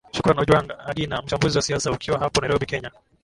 shukran ojwang agina mchambuzi wa siasa ukiwa hapo nairobi kenya